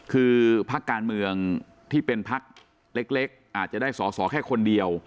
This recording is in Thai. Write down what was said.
คือพักการเมืองที่เป็นพักเล็กอาจจะได้สอสอแค่คนเดียว